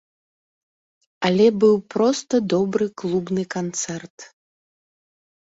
Але быў проста добры клубны канцэрт.